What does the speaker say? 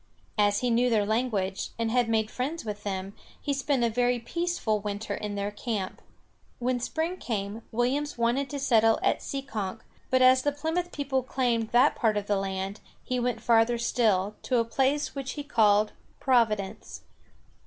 As he knew their language, and had made friends with them, he spent a very peaceful winter in their camp. When spring came, Williams wanted to settle at See´konk; but as the Plymouth people claimed that part of the land, he went farther still, to a place which he called Prov´i dence.